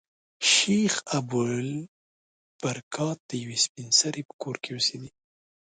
شیخ ابوالبرکات د یوې سپین سري په کور کې اوسېدی.